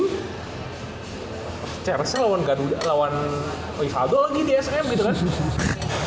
terusnya lawan rivaldo lagi di sm gitu kan